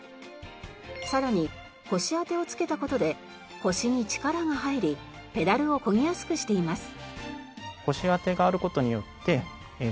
さらに腰当てを付けた事で腰に力が入りペダルをこぎやすくしています。